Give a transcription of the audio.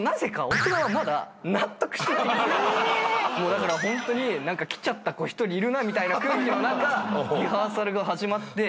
だからホントに来ちゃった子一人いるなって空気の中リハーサルが始まって。